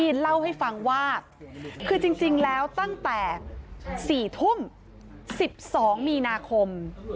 เล่าให้ฟังว่าคือจริงแล้วตั้งแต่๔ทุ่ม๑๒มีนาคม